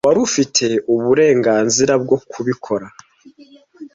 wari ufite uburenganzira bwo kubikora.